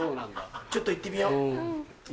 ちょっと行ってみよう。